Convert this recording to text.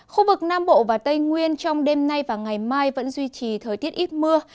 khu vực nam bộ và tây nguyên trong đêm nay và ngày mai vẫn duy trì thời tiết ít mưa